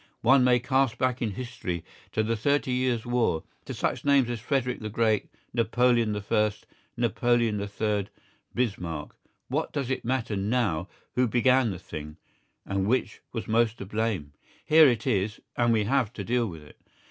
One may cast back in history to the Thirty Years' War, to such names as Frederick the Great, Napoleon the First, Napoleon the Third, Bismarck; what does it matter now who began the thing, and which was most to blame? Here it is, and we have to deal with it.